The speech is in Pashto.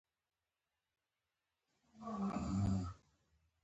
د کروندګرو عواید هم هر کال د تغییر په حال کې وو.